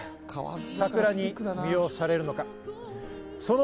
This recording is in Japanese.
人はなぜ桜に魅了されるのか。